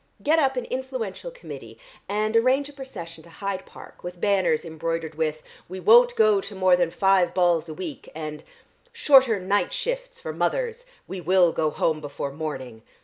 Get up an influential committee, and arrange a procession to Hyde Park, with banners embroidered with 'We won't go to more than five balls a week' and 'Shorter night shifts for mothers.' 'We will go home before morning.'